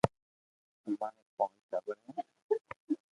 امارآ پونچ ٽاٻر ھي